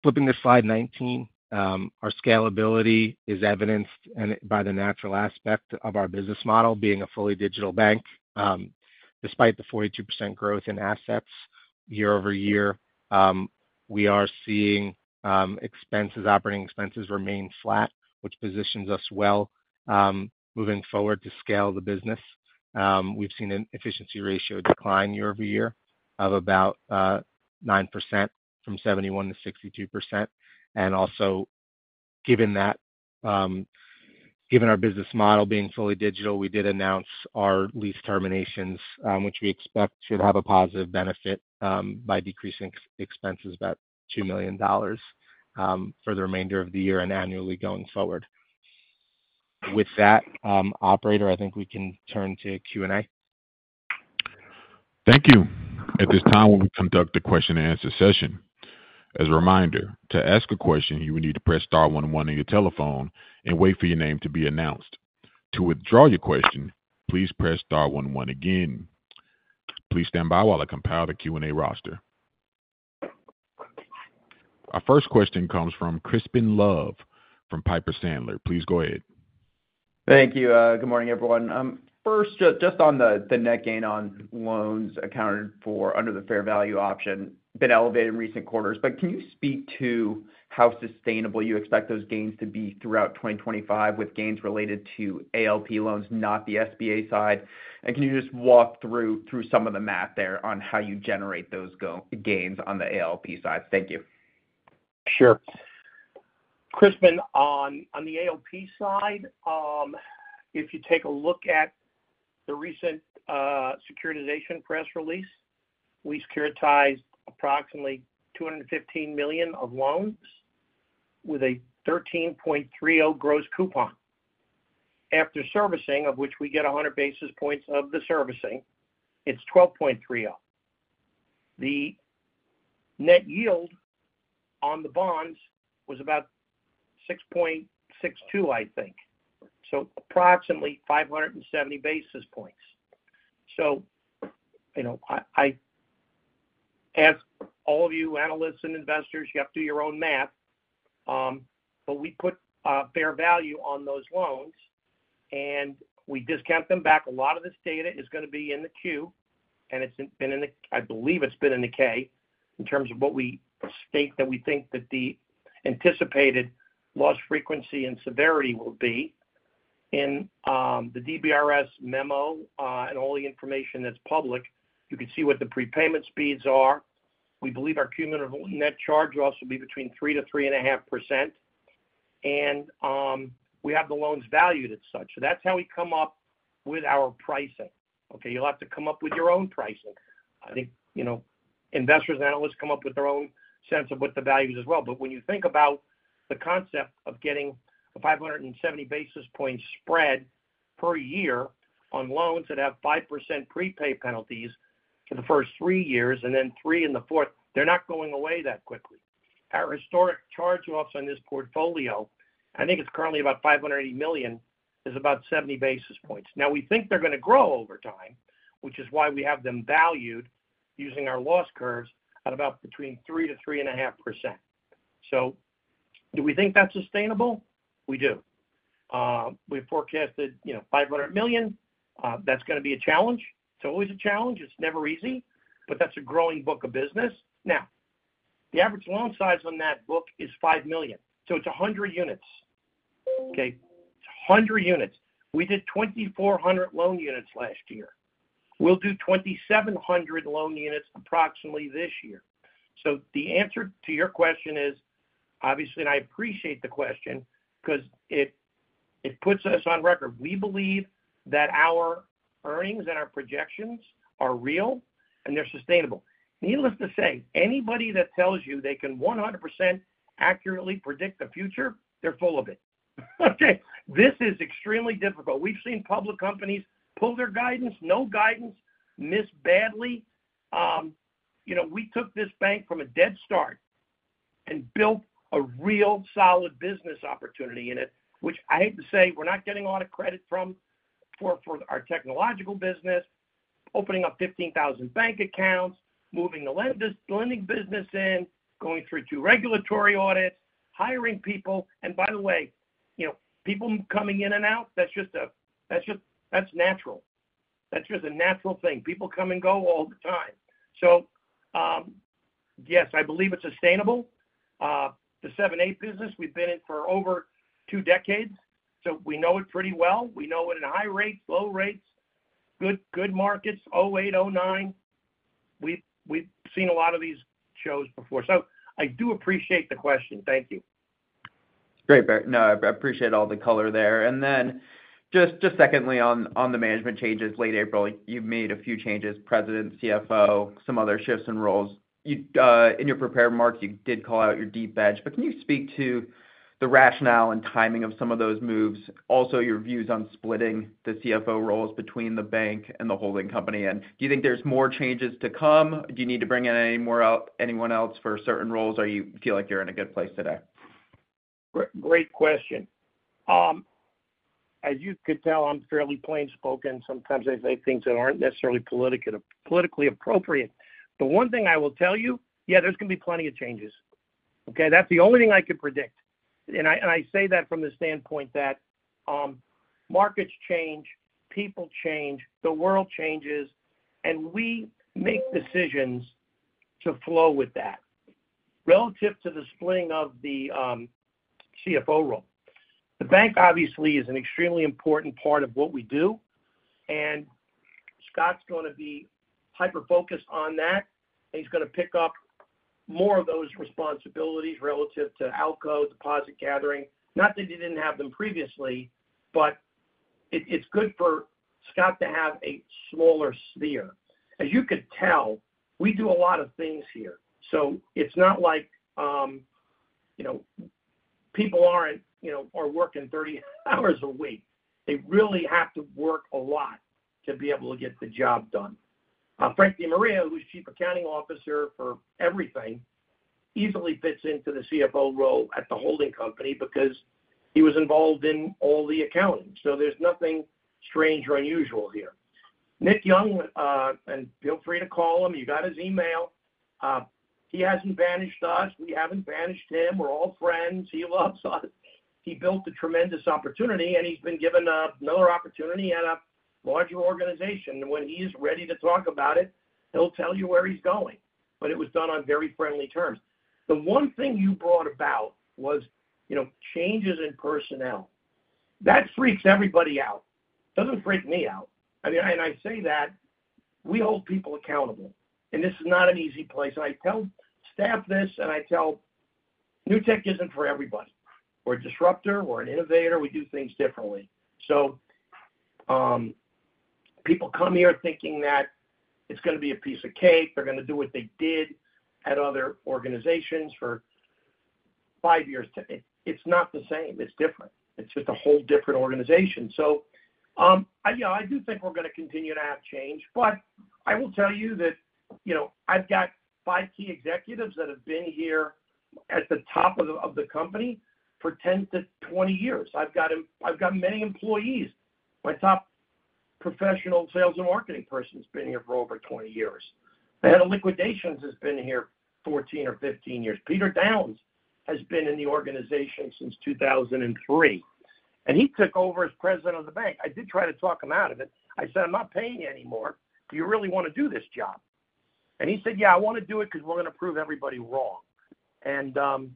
Flipping to slide 19, our scalability is evidenced by the natural aspect of our business model being a fully digital bank. Despite the 42% growth in assets year-over-year, we are seeing operating expenses remain flat, which positions us well moving forward to scale the business. We've seen an efficiency ratio decline year-over-year of about 9% from 71% to 62%. Also, given our business model being fully digital, we did announce our lease terminations, which we expect should have a positive benefit by decreasing expenses by about $2 million for the remainder of the year and annually going forward. With that, Operator, I think we can turn to Q&A. Thank you. At this time, we will conduct a question-and-answer session. As a reminder, to ask a question, you will need to press star one one on your telephone and wait for your name to be announced. To withdraw your question, please press star one one again. Please stand by while I compile the Q&A roster. Our first question comes from Crispin Love from Piper Sandler. Please go ahead. Thank you. Good morning, everyone. First, just on the net gain on loans accounted for under the fair value option, been elevated in recent quarters. Can you speak to how sustainable you expect those gains to be throughout 2025 with gains related to ALP loans, not the SBA side? Can you just walk through some of the math there on how you generate those gains on the ALP side? Thank you. Sure. Crispin, on the ALP side, if you take a look at the recent securitization press release, we securitized approximately $215 million of loans with a 13.30% gross coupon. After servicing, of which we get 100 basis points of the servicing, it is 12.30%. The net yield on the bonds was about 6.62%, I think. So approximately 570 basis points. I ask all of you analysts and investors, you have to do your own math. We put fair value on those loans, and we discount them back. A lot of this data is going to be in the Q, and it's been in the—I believe it's been in the K in terms of what we state that we think that the anticipated loss frequency and severity will be. In the DBRS memo and all the information that's public, you can see what the prepayment speeds are. We believe our cumulative net charge will also be between 3%-3.5%. And we have the loans valued as such. That's how we come up with our pricing. Okay? You'll have to come up with your own pricing. I think investors and analysts come up with their own sense of what the value is as well. When you think about the concept of getting a 570 basis point spread per year on loans that have 5% prepay penalties for the first three years and then 3% in the fourth, they're not going away that quickly. Our historic charge off on this portfolio, I think it's currently about $580 million, is about 70 basis points. Now, we think they're going to grow over time, which is why we have them valued using our loss curves at about between 3%-3.5%. Do we think that's sustainable? We do. We've forecasted $500 million. That's going to be a challenge. It's always a challenge. It's never easy. That's a growing book of business. The average loan size on that book is $5 million. It's 100 units. It's 100 units. We did 2,400 loan units last year. We'll do 2,700 loan units approximately this year. The answer to your question is, obviously, and I appreciate the question because it puts us on record. We believe that our earnings and our projections are real and they're sustainable. Needless to say, anybody that tells you they can 100% accurately predict the future, they're full of it. Okay? This is extremely difficult. We've seen public companies pull their guidance, no guidance, miss badly. We took this bank from a dead start and built a real solid business opportunity in it, which I hate to say we're not getting a lot of credit from for our technological business, opening up 15,000 bank accounts, moving the lending business in, going through two regulatory audits, hiring people. By the way, people coming in and out, that's just natural. That's just a natural thing. People come and go all the time. Yes, I believe it's sustainable. The 7(a) business, we've been in for over two decades. We know it pretty well. We know it in high rates, low rates, good markets, 2008, 2009. We've seen a lot of these shows before. I do appreciate the question. Thank you. Great. I appreciate all the color there. Just secondly, on the management changes late April, you've made a few changes, President, CFO, some other shifts in roles. In your prepared marks, you did call out your deep bench. Can you speak to the rationale and timing of some of those moves? Also, your views on splitting the CFO roles between the bank and the holding company. Do you think there's more changes to come? Do you need to bring in anyone else for certain roles, or do you feel like you're in a good place today? Great question. As you could tell, I'm fairly plainspoken. Sometimes I say things that aren't necessarily politically appropriate. The one thing I will tell you, yeah, there's going to be plenty of changes. Okay? That's the only thing I could predict. I say that from the standpoint that markets change, people change, the world changes, and we make decisions to flow with that relative to the splitting of the CFO role. The bank, obviously, is an extremely important part of what we do. Scott's going to be hyper-focused on that, and he's going to pick up more of those responsibilities relative to ALCO, deposit gathering. Not that he didn't have them previously, but it's good for Scott to have a smaller sphere. As you could tell, we do a lot of things here. It's not like people aren't working 30 hours a week. They really have to work a lot to be able to get the job done. Frank DeMaria, who's Chief Accounting Officer for everything, easily fits into the CFO role at the holding company because he was involved in all the accounting. There's nothing strange or unusual here. Nick Young, and feel free to call him. You got his email. He hasn't banished us. We haven't banished him. We're all friends. He loves us. He built a tremendous opportunity, and he's been given another opportunity at a larger organization. When he is ready to talk about it, he'll tell you where he's going. It was done on very friendly terms. The one thing you brought about was changes in personnel. That freaks everybody out. Doesn't freak me out. I say that we hold people accountable. This is not an easy place. I tell staff this, and I tell Newtek isn't for everybody. We're a disruptor. We're an innovator. We do things differently. People come here thinking that it's going to be a piece of cake. They're going to do what they did at other organizations for five years. It's not the same. It's different. It's just a whole different organization. Yeah, I do think we're going to continue to have change. I will tell you that I've got five key executives that have been here at the top of the company for 10 to 20 years. I've got many employees. My top professional sales and marketing person has been here for over 20 years. The liquidations has been here 14 or 15 years. Peter Downs has been in the organization since 2003. He took over as President of the bank. I did try to talk him out of it. I said, "I'm not paying you anymore. Do you really want to do this job?" He said, "Yeah, I want to do it because we're going to prove everybody wrong." That is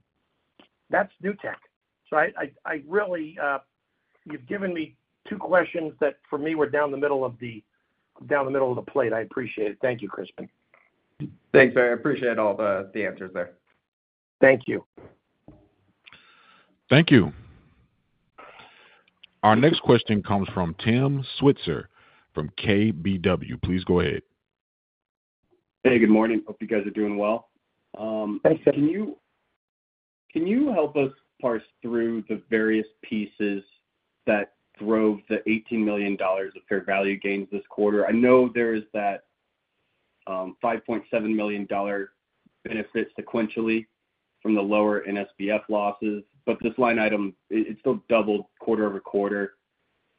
Newtek. You have given me two questions that, for me, were down the middle of the plate. I appreciate it. Thank you, Crispin. Thanks, Barry. I appreciate all the answers there. Thank you. Thank you. Our next question comes from Tim Switzer from KBW. Please go ahead. Hey, good morning. Hope you guys are doing well. Thanks, Tim. Can you help us parse through the various pieces that drove the $18 million of fair value gains this quarter? I know there is that $5.7 million benefit sequentially from the lower NSBF losses. This line item, it still doubled quarter over quarter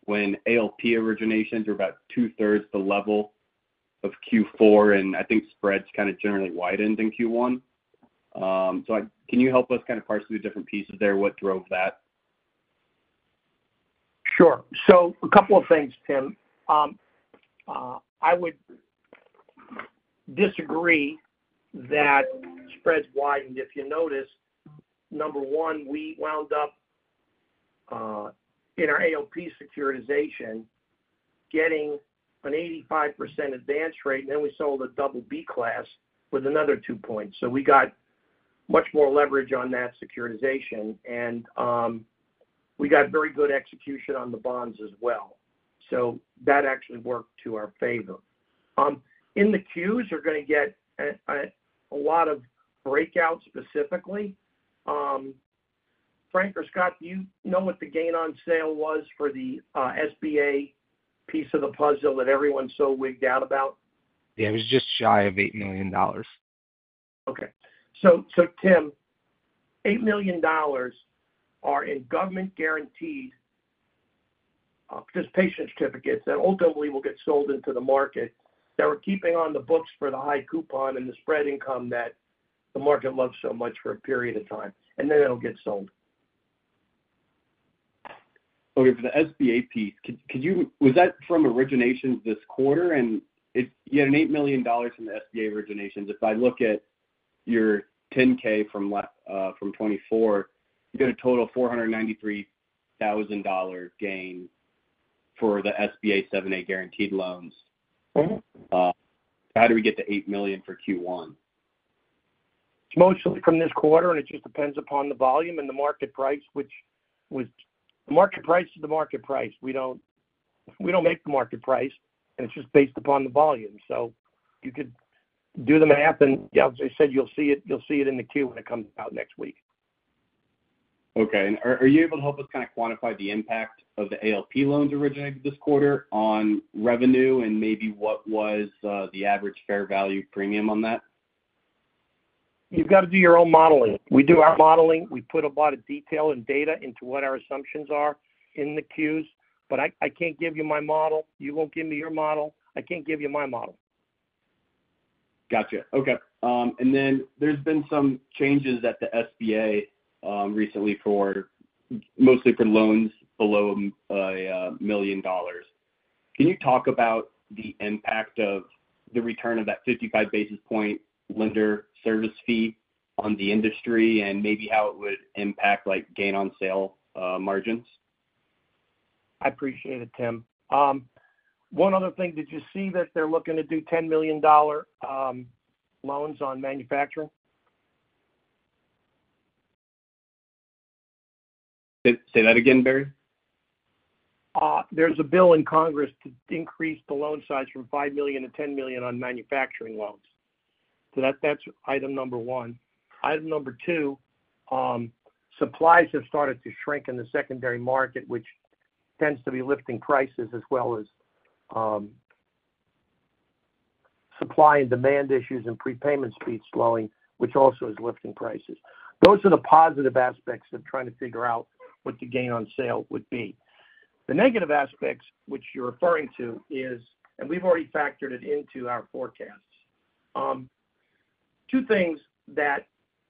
when ALP originations were about two-thirds the level of Q4. I think spreads kind of generally widened in Q1. Can you help us kind of parse through the different pieces there? What drove that? Sure. A couple of things, Tim. I would disagree that spreads widened. If you notice, number one, we wound up in our ALP securitization getting an 85% advance rate. We sold a double B class with another two points. We got much more leverage on that securitization. We got very good execution on the bonds as well. That actually worked to our favor. In the Qs, we are going to get a lot of breakouts specifically. Frank or Scott, do you know what the gain on sale was for the SBA piece of the puzzle that everyone's so wigged out about? Yeah, it was just shy of $8 million. Okay. Tim, $8 million are in government-guaranteed participation certificates that ultimately will get sold into the market that we're keeping on the books for the high coupon and the spread income that the market loves so much for a period of time. It will get sold. Okay. For the SBA piece, was that from originations this quarter? You had an $8 million from the SBA originations. If I look at your 10-K from 2024, you got a total of $493,000 gain for the SBA 7(a) guaranteed loans. How did we get to $8 million for Q1? Mostly from this quarter. It just depends upon the volume and the market price, which was the market price is the market price. We do not make the market price. It is just based upon the volume. You could do the math. As I said, you will see it in the Q when it comes out next week. Okay. Are you able to help us kind of quantify the impact of the ALP loans originated this quarter on revenue and maybe what was the average fair value premium on that? You have got to do your own modeling. We do our modeling. We put a lot of detail and data into what our assumptions are in the Qs. I cannot give you my model. You will not give me your model. I cannot give you my model. Gotcha. Okay. There have been some changes at the SBA recently, mostly for loans below $1 million. Can you talk about the impact of the return of that 55 basis point lender service fee on the industry and maybe how it would impact gain on sale margins? I appreciate it, Tim. One other thing. Did you see that they are looking to do $10 million loans on manufacturing? Say that again, Barry. There is a bill in Congress to increase the loan size from $5 million to $10 million on manufacturing loans. That is item number one. Item number two, supplies have started to shrink in the secondary market, which tends to be lifting prices as well as supply and demand issues and prepayment speed slowing, which also is lifting prices. Those are the positive aspects of trying to figure out what the gain on sale would be. The negative aspects, which you're referring to, is, and we've already factored it into our forecasts. Two things that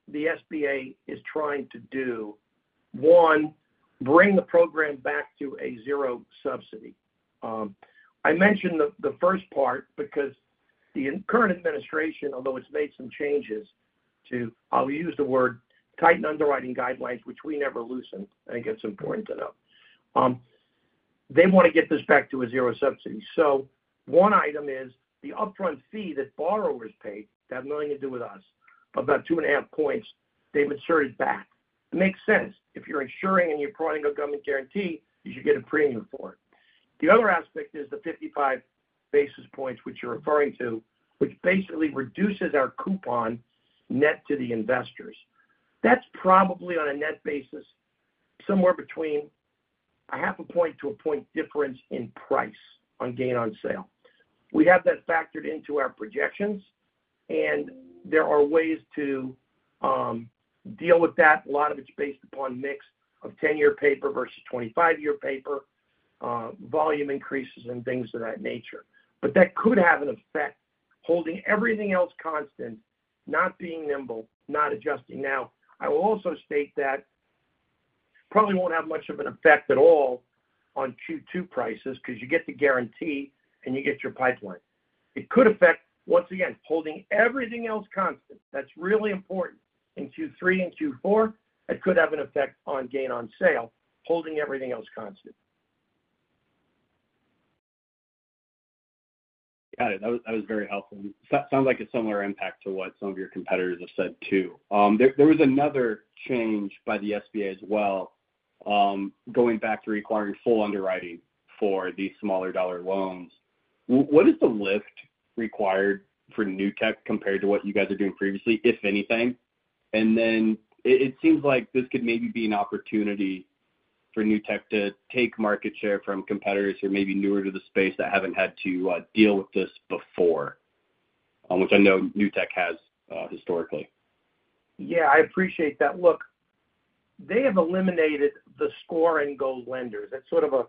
the SBA is trying to do. One, bring the program back to a zero subsidy. I mentioned the first part because the current administration, although it's made some changes to, I'll use the word, tighten underwriting guidelines, which we never loosened. I think it's important to know. They want to get this back to a zero subsidy. So one item is the upfront fee that borrowers pay that have nothing to do with us, about two and a half points, they've inserted back. It makes sense. If you're insuring and you're providing a government guarantee, you should get a premium for it. The other aspect is the 55 basis points, which you're referring to, which basically reduces our coupon net to the investors. That's probably on a net basis somewhere between a half a point to a point difference in price on gain on sale. We have that factored into our projections. There are ways to deal with that. A lot of it's based upon mix of 10-year paper versus 25-year paper, volume increases, and things of that nature. That could have an effect holding everything else constant, not being nimble, not adjusting. I will also state that probably won't have much of an effect at all on Q2 prices because you get the guarantee and you get your pipeline. It could affect, once again, holding everything else constant. That's really important in Q3 and Q4. It could have an effect on gain on sale, holding everything else constant. Got it. That was very helpful. Sounds like a similar impact to what some of your competitors have said too. There was another change by the SBA as well going back to requiring full underwriting for these smaller dollar loans. What is the lift required for Newtek compared to what you guys are doing previously, if anything? It seems like this could maybe be an opportunity for Newtek to take market share from competitors who are maybe newer to the space that have not had to deal with this before, which I know Newtek has historically. Yeah, I appreciate that. Look, they have eliminated the scoring goal lenders. That is sort of a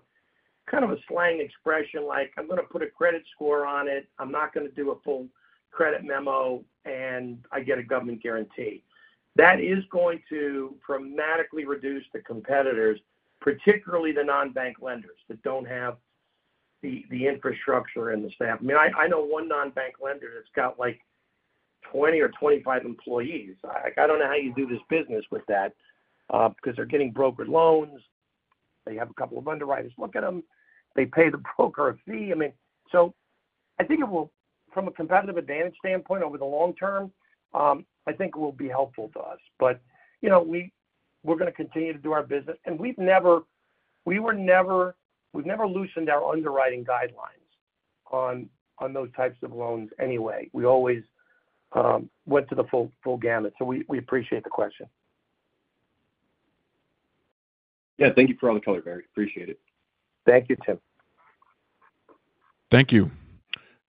kind of a slang expression like, "I'm going to put a credit score on it. I'm not going to do a full credit memo, and I get a government guarantee." That is going to dramatically reduce the competitors, particularly the non-bank lenders that do not have the infrastructure and the staff. I mean, I know one non-bank lender that's got like 20 or 25 employees. I don't know how you do this business with that because they're getting brokered loans. They have a couple of underwriters look at them. They pay the broker a fee. I mean, I think from a competitive advantage standpoint over the long term, I think it will be helpful to us. We're going to continue to do our business. We were never loosened our underwriting guidelines on those types of loans anyway. We always went to the full gamut. We appreciate the question. Yeah. Thank you for all the color, Barry. Appreciate it. Thank you, Tim. Thank you.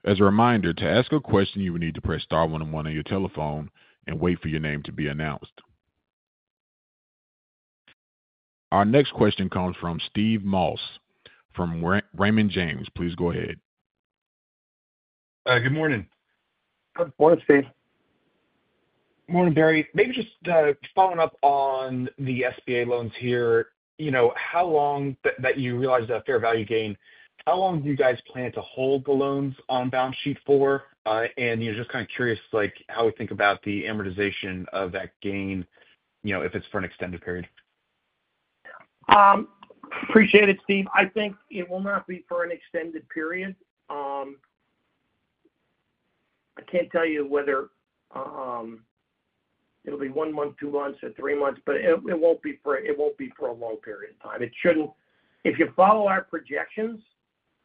As a reminder, to ask a question, you would need to press star one one on your telephone and wait for your name to be announced. Our next question comes from Steve Moss from Raymond James. Please go ahead. Good morning. Good morning, Steve. Morning, Barry. Maybe just following up on the SBA loans here, how long that you realized that fair value gain, how long do you guys plan to hold the loans on balance sheet for? And just kind of curious how we think about the amortization of that gain if it's for an extended period. Appreciate it, Steve. I think it will not be for an extended period. I can't tell you whether it'll be one month, two months, or three months, but it won't be for a long period of time. If you follow our projections,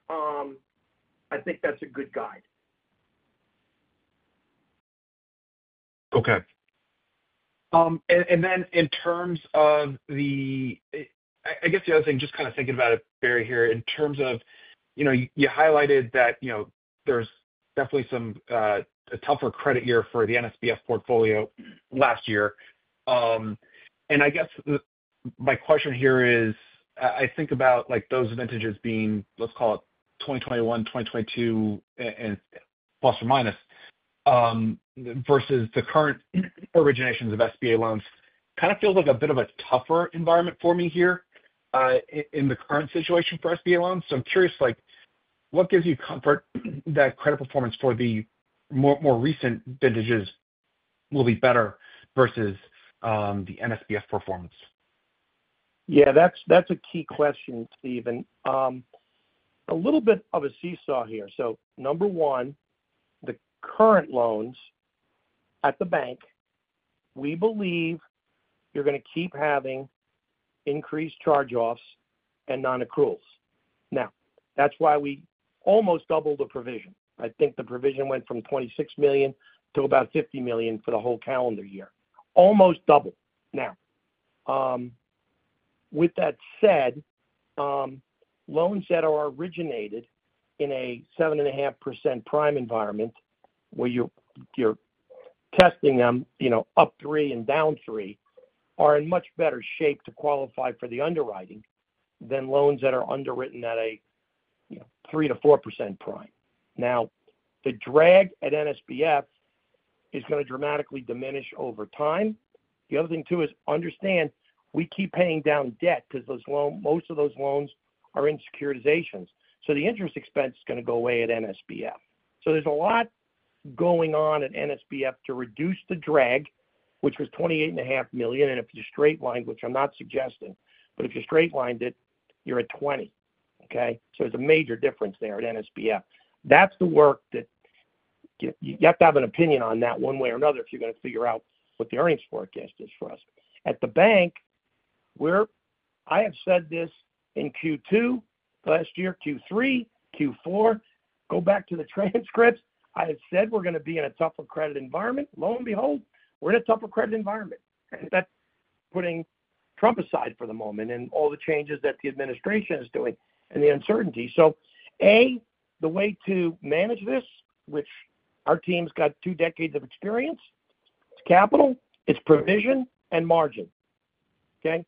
I think that's a good guide. Okay. In terms of the, I guess the other thing, just kind of thinking about it, Barry, here, in terms of you highlighted that there's definitely a tougher credit year for the NSBF portfolio last year. I guess my question here is, I think about those vintages being, let's call it 2021, 2022, and plus or minus versus the current originations of SBA loans. Kind of feels like a bit of a tougher environment for me here in the current situation for SBA loans. I'm curious, what gives you comfort that credit performance for the more recent vintages will be better versus the NSBF performance? Yeah, that's a key question, Steven. A little bit of a seesaw here. Number one, the current loans at the bank, we believe you're going to keep having increased charge-offs and non-accruals. That's why we almost doubled the provision. I think the provision went from $26 million to about $50 million for the whole calendar year. Almost double. Now, with that said, loans that are originated in a 7.5% prime environment where you're testing them up three and down three are in much better shape to qualify for the underwriting than loans that are underwritten at a 3%-4% prime. Now, the drag at NSBF is going to dramatically diminish over time. The other thing, too, is understand we keep paying down debt because most of those loans are in securitizations. So the interest expense is going to go away at NSBF. There is a lot going on at NSBF to reduce the drag, which was $28.5 million. And if you straight-lined, which I'm not suggesting, but if you straight-lined it, you're at $20 million. Okay? There is a major difference there at NSBF. That's the work that you have to have an opinion on that one way or another if you're going to figure out what the earnings forecast is for us. At the bank, I have said this in Q2 last year, Q3, Q4, go back to the transcripts. I have said we're going to be in a tougher credit environment. Lo and behold, we're in a tougher credit environment. That is putting Trump aside for the moment and all the changes that the administration is doing and the uncertainty. A, the way to manage this, which our team's got two decades of experience, it's capital, it's provision, and margin. Okay?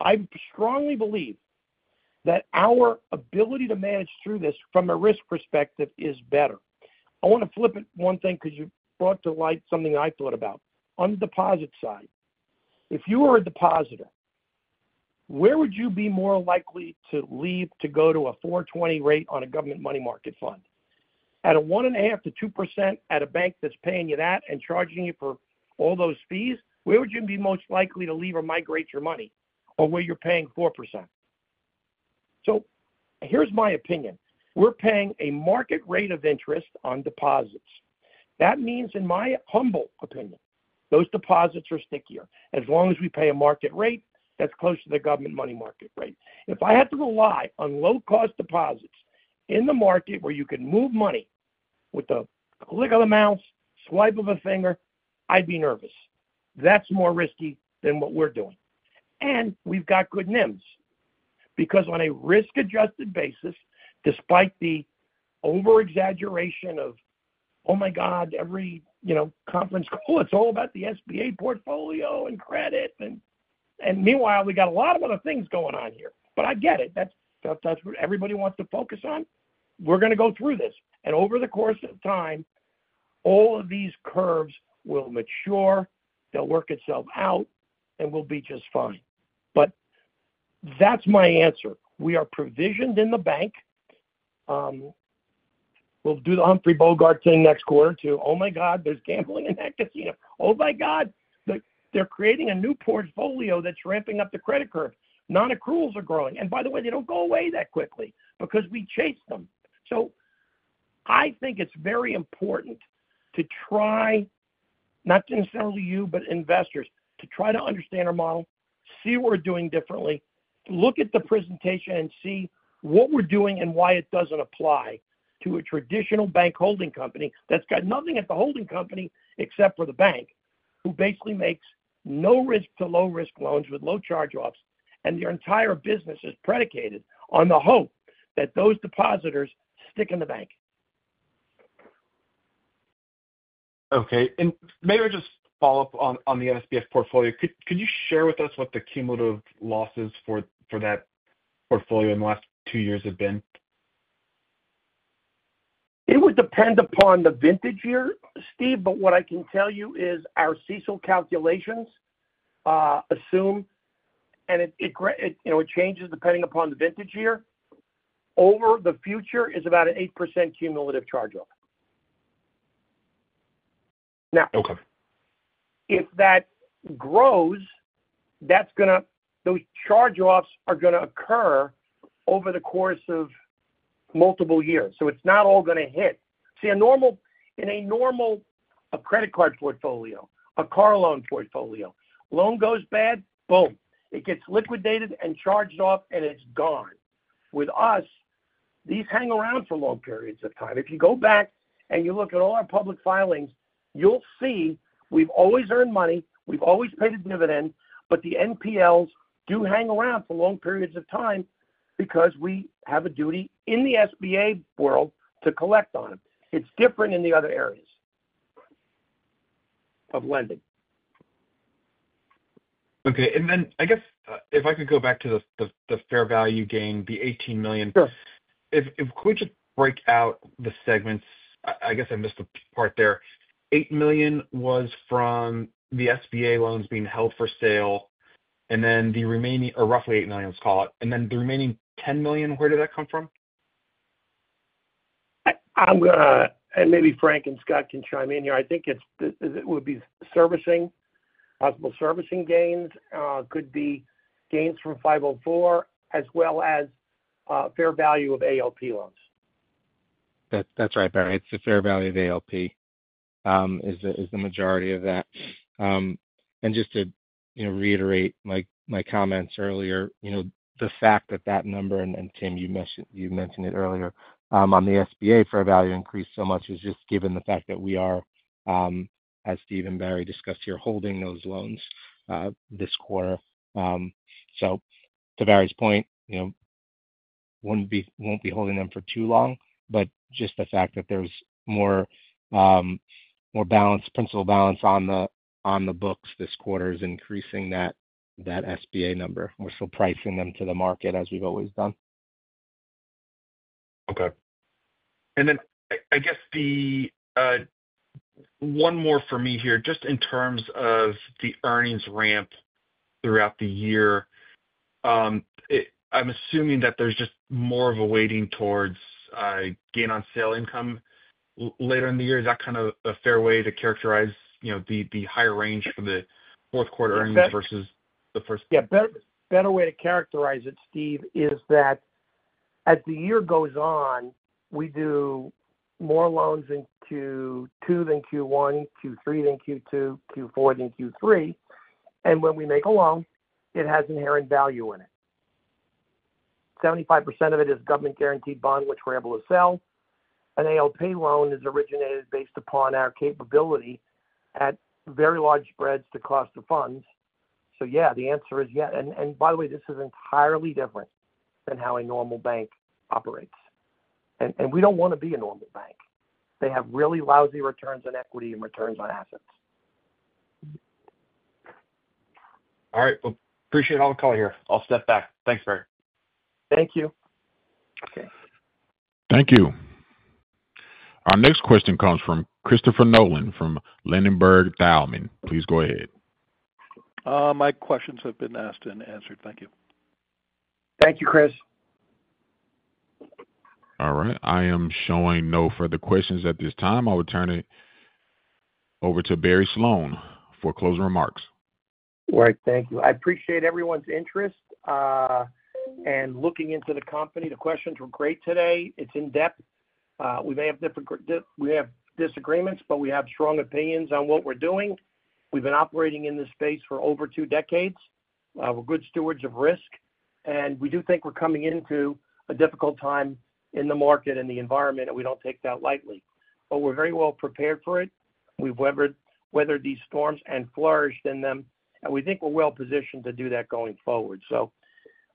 I strongly believe that our ability to manage through this from a risk perspective is better. I want to flip it one thing because you brought to light something I thought about. On the deposit side, if you were a depositor, where would you be more likely to leave to go to a 4% rate on a government money market fund? At a 1.5%-2% at a bank that's paying you that and charging you for all those fees, where would you be most likely to leave or migrate your money or where you're paying 4%? Here's my opinion. We're paying a market rate of interest on deposits. That means, in my humble opinion, those deposits are stickier. As long as we pay a market rate that's close to the government money market rate. If I had to rely on low-cost deposits in the market where you can move money with a click of the mouse, swipe of a finger, I'd be nervous. That's more risky than what we're doing. We have got good NIMs because on a risk-adjusted basis, despite the over-exaggeration of, "Oh my God, every conference call, it is all about the SBA portfolio and credit." Meanwhile, we have a lot of other things going on here. I get it. That is what everybody wants to focus on. We are going to go through this. Over the course of time, all of these curves will mature. They will work itself out, and we will be just fine. That is my answer. We are provisioned in the bank. We will do the Humphrey Bogart thing next quarter too. Oh my God, there is gambling in that casino. Oh my God, they are creating a new portfolio that is ramping up the credit curve. Non-accruals are growing. By the way, they do not go away that quickly because we chase them. I think it's very important to try, not necessarily you, but investors, to try to understand our model, see what we're doing differently, look at the presentation, and see what we're doing and why it doesn't apply to a traditional bank holding company that's got nothing at the holding company except for the bank, who basically makes no-risk to low-risk loans with low charge-offs, and their entire business is predicated on the hope that those depositors stick in the bank. Okay. Maybe just follow up on the NSBF portfolio. Could you share with us what the cumulative losses for that portfolio in the last two years have been? It would depend upon the vintage year, Steve, but what I can tell you is our CECL calculations assume, and it changes depending upon the vintage year, over the future is about an 8% cumulative charge-off. Now, if that grows, those charge-offs are going to occur over the course of multiple years. It is not all going to hit. See, in a normal credit card portfolio, a car loan portfolio, loan goes bad, boom. It gets liquidated and charged off, and it is gone. With us, these hang around for long periods of time. If you go back and you look at all our public filings, you will see we have always earned money. We have always paid a dividend, but the NPLs do hang around for long periods of time because we have a duty in the SBA world to collect on them. It is different in the other areas of lending. Okay. If I could go back to the fair value gain, the $18 million. Sure. If we could just break out the segments, I guess I missed a part there. $8 million was from the SBA loans being held for sale, and then the remaining, or roughly $8 million, let's call it. The remaining $10 million, where did that come from? Maybe Frank and Scott can chime in here. I think it would be servicing, possible servicing gains. It could be gains from 504, as well as fair value of ALP loans. That's right, Barry. It's the fair value of ALP is the majority of that. Just to reiterate my comments earlier, the fact that that number, and Tim, you mentioned it earlier, on the SBA fair value increased so much is just given the fact that we are, as Steve and Barry discussed here, holding those loans this quarter. To Barry's point, won't be holding them for too long, but just the fact that there's more balance, principal balance on the books this quarter is increasing that SBA number. We're still pricing them to the market as we've always done. Okay. I guess one more for me here, just in terms of the earnings ramp throughout the year, I'm assuming that there's just more of a weighting towards gain on sale income later in the year. Is that kind of a fair way to characterize the higher range for the fourth quarter earnings versus the first quarter? Yeah. Better way to characterize it, Steve, is that as the year goes on, we do more loans in Q2 than Q1, Q3 than Q2, Q4 than Q3. When we make a loan, it has inherent value in it. 75% of it is government guaranteed bond, which we're able to sell. An ALP loan is originated based upon our capability at very large spreads to cost of funds. So yeah, the answer is yeah. By the way, this is entirely different than how a normal bank operates. We do not want to be a normal bank. They have really lousy returns on equity and returns on assets. All right. Appreciate all the call here. I'll step back. Thanks, Barry. Thank you. Okay. Thank you. Our next question comes from Christopher Nolan from Ladenburg Thalmann. Please go ahead. My questions have been asked and answered. Thank you. Thank you, Chris. All right. I am showing no further questions at this time. I will turn it over to Barry Sloane for closing remarks. All right. Thank you. I appreciate everyone's interest and looking into the company. The questions were great today. It's in-depth. We may have disagreements, but we have strong opinions on what we're doing. We've been operating in this space for over two decades. We're good stewards of risk. We do think we're coming into a difficult time in the market and the environment, and we don't take that lightly. We're very well prepared for it. We've weathered these storms and flourished in them. We think we're well positioned to do that going forward. I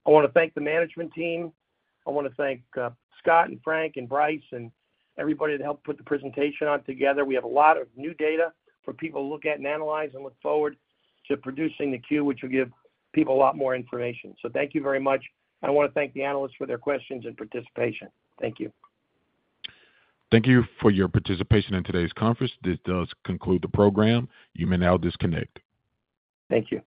want to thank the management team. I want to thank Scott and Frank and Bryce and everybody that helped put the presentation on together. We have a lot of new data for people to look at and analyze and look forward to producing the Q, which will give people a lot more information. Thank you very much. I want to thank the analysts for their questions and participation. Thank you. Thank you for your participation in today's conference. This does conclude the program. You may now disconnect. Thank you.